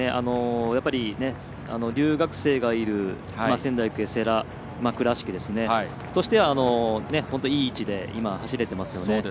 留学生がいる仙台育英、世羅倉敷としては、本当にいい位置で今、走れていますよね。